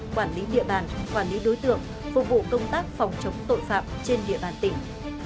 quản lý địa bàn quản lý đối tượng phục vụ công tác phòng chống tội phạm trên địa bàn tỉnh